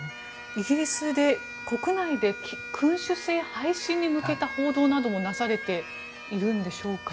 イギリスで国内で君主制廃止に向けた報道などもなされているんでしょうか。